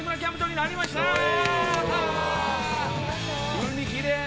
海きれい！